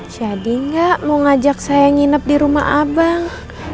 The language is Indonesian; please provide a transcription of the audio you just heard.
jadi nggak mau ngajak saya nginep di rumah abang